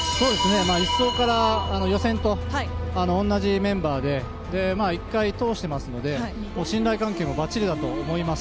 １走から予選と同じメンバーで１回通してますので信頼関係もばっちりだと思います。